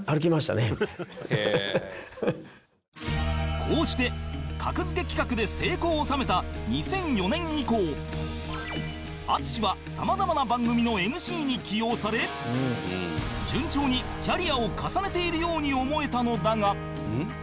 こうして「格付け」企画で成功を収めた２００４年以降淳は様々な番組の ＭＣ に起用され順調にキャリアを重ねているように思えたのだが